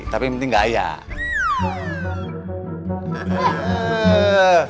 tapi yang penting gak ayah